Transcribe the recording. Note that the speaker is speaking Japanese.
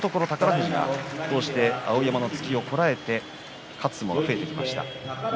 富士が碧山の突きをこらえて勝つ相撲も増えてきました。